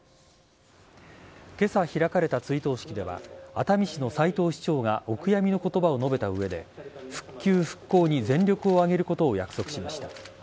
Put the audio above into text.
今朝開かれた追悼式では熱海市の齊藤市長がお悔やみの言葉を述べた上で復旧復興に全力を挙げることを約束しました。